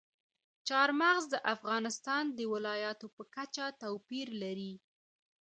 چار مغز د افغانستان د ولایاتو په کچه توپیر لري.